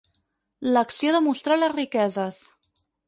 L'acció de mostrar les riqueses.